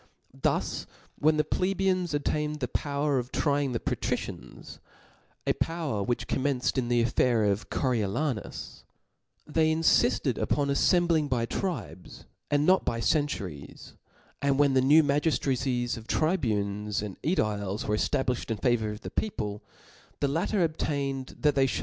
Thus when the plebeians obtained the power of trying the patricians, a power which com* menced in the affair of Coriolanus ('), they inCftcd CJJJ^^ upon ailembling by tribes*, and not by cen '* turies : and when the new magiftracies (^) of («) Dio tribunes and «diles were eftablifhed in favour of |*yj['^J^" the people, the latter obtained that they lhouldbook6, p.